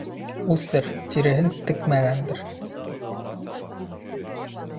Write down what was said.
Үҫер, тиреһен текмәгәндер.